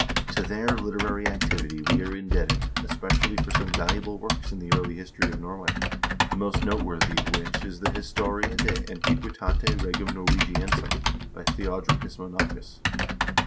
To their literary activity we are indebted especially for some valuable works on the early history of Norway, the most noteworthy of which is the "Historia de Antiquitate Regum Norwagiensium," by Theodricus Monachus.